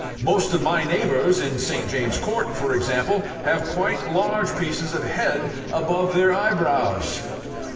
Most of my neighbours in St. James's Court, for example, have quite large pieces of head above their eyebrows.